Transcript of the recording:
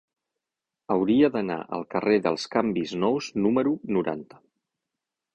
Hauria d'anar al carrer dels Canvis Nous número noranta.